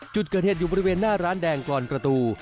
จุดเกิดเหตุอยู่บริเวณหน้าร้านแดงกรอนประตู